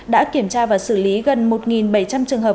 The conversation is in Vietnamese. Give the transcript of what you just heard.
đã kiểm tra và xử lý gần một bảy trăm linh trường hợp